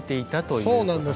そうなんです。